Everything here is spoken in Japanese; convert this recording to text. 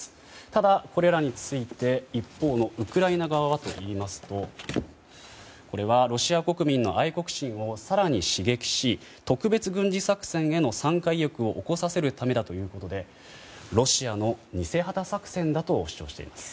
ただ、これらについて一方のウクライナ側はというとロシア国民の愛国心を更に刺激し特別軍事作戦への参加意欲を起こさせるためだということでロシアの偽旗作戦だと主張しています。